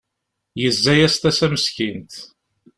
Yezza-yas tasa meskint.